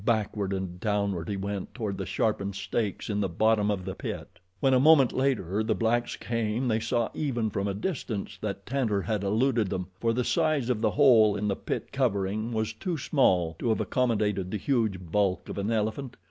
Backward and downward he went toward the sharpened stakes in the bottom of the pit. When, a moment later, the blacks came they saw even from a distance that Tantor had eluded them, for the size of the hole in the pit covering was too small to have accommodated the huge bulk of an elephant.